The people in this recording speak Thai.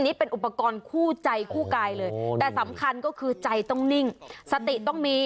นี่เป็นอุปกรณ์คู่ใจคู่กายเลยแต่สำคัญก็คือใจต้องนิ่งสติต้องมี